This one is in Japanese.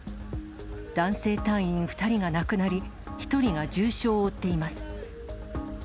男性隊員２人が亡くなり、１人が重傷を負っています。